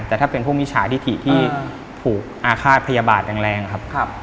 แต่ถ้าเป็นพวกมิจฉาธิที่ถูกอาฆาตพยาบาทแรงครับ